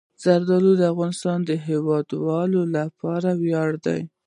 زردالو د افغانستان د هیوادوالو لپاره ویاړ دی.